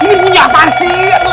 ini punya apaan sih